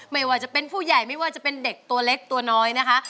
ไม่ว่าจะเป็นผู้ใหญ่ไม่ว่าจะเป็นเด็กตัวเล็กตัวน้อยนะคะ